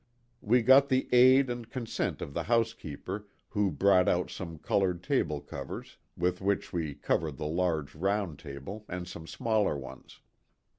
We got the aid and consent of the housekeeper who brought out some colored table covers with which we cov ered the large round table and some smaller ones.